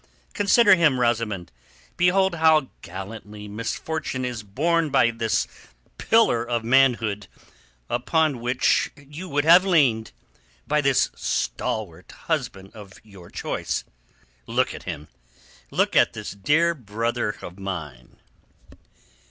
Consider him Rosamund. Behold how gallantly misfortune is borne by this pillar of manhood upon which you would have leaned, by this stalwart husband of your choice. Look at him! Look at this dear brother of mine."